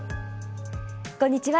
こんにちは。